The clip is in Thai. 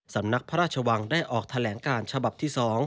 สำนักพระราชวังได้ออกแถลงการฉบับที่๒